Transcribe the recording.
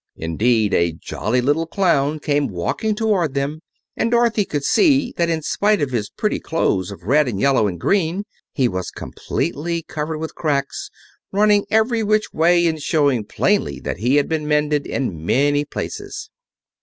Indeed, a jolly little clown came walking toward them, and Dorothy could see that in spite of his pretty clothes of red and yellow and green he was completely covered with cracks, running every which way and showing plainly that he had been mended in many places.